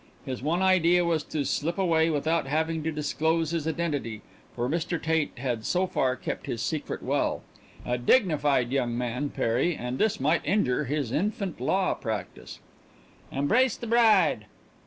His one idea was to slip away without having to disclose his identity, for Mr. Tate had so far kept his secret well. A dignified young man, Perry and this might injure his infant law practice. "Embrace the bride!"